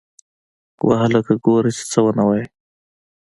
وه هلکه گوره چې څه ونه وايې.